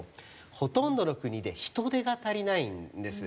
ほとんどの国で人手が足りないんです。